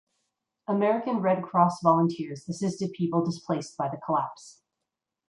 American Red Cross volunteers assisted people displaced by the collapse.